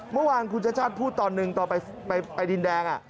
เมื่อวานคุณชาติชาติพูดตอนหนึ่งตอนไปดินแดง